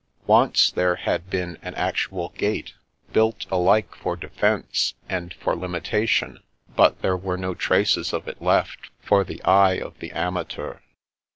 Once, there had been an actual gate, built alike for defence and for limita tion, but there were no traces of it left for the eye of the amateur.